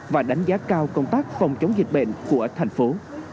và đánh giá cao công tác phòng chống dịch bệnh của thành phố